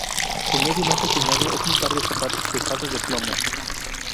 Su medio más rutinario es un par de zapatos pesados de plomo.